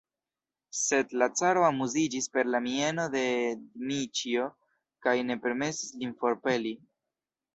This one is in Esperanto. Sed la caro amuziĝis per la mieno de Dmiĉjo kaj ne permesis lin forpeli.